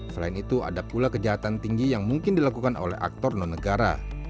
selain itu ada pula kejahatan tinggi yang mungkin dilakukan oleh aktor non negara